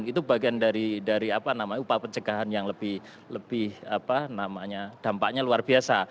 itu bagian dari upaya pencegahan yang lebih dampaknya luar biasa